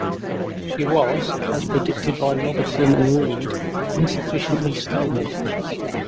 She was, as predicted by Robison and Reed, insufficiently stable.